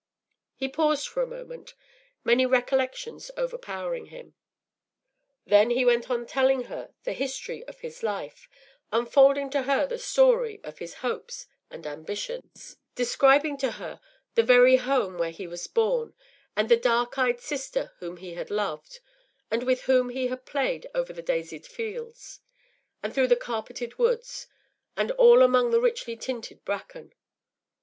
” He paused for a moment, many recollections overpowering him. Then he went on telling her the history of his life, unfolding to her the story of his hopes and ambitions, describing to her the very home where he was born, and the dark eyed sister whom he had loved, and with whom he had played over the daisied fields, and through the carpeted woods, and all among the richly tinted bracken.